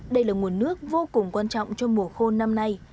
đây là nguồn nước vô cùng quan trọng cho mùa khô năm nay